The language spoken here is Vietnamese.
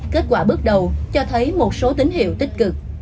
kết quả bước đầu cho thấy một số tín hiệu tích cực